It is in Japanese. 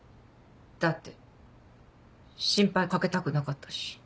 だって心配掛けたくなかったし。